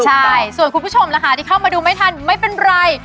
ใช่ส่วนคุณผู้ชมนะคะที่เข้ามาดูไม่ทันไม่เป็นไร